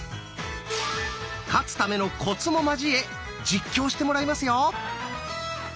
「勝つためのコツ」も交え実況してもらいますよ。